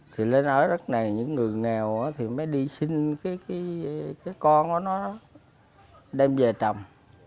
thì lên ở đất này những người nghèo mới đi sinh cái con nó đó đem về trồng